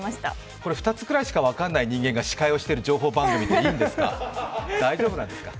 これ２つぐらいしか分からない人間が司会をしている情報番組って大丈夫なんですか？